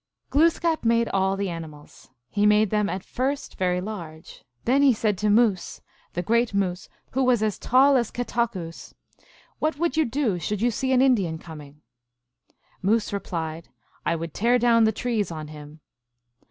Glooskap made all the animals. He made them at first very large. Then he said to Moose, the great Moose who was as tall as Ketawkqu s, 2 " What would you do should you see an Indian coming ?" Moose replied, j I would tear down the trees on him."